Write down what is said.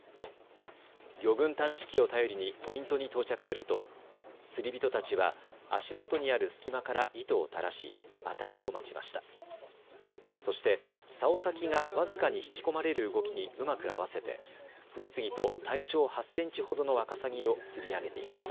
魚群探知機を頼りにポイントに到着すると釣り人たちは足元にある隙間から糸を垂らし当たりを待ちました。